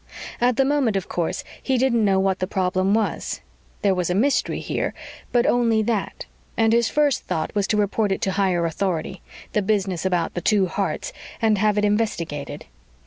At the moment, of course, he didn't know what the problem was. There was a mystery here, but only that, and his first thought was to report it to higher authority the business about the two hearts and have it investigated.